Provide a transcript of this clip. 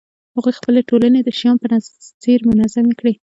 هغوی خپلې ټولنې د شیام په څېر منظمې کړې